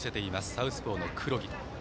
サウスポーの黒木。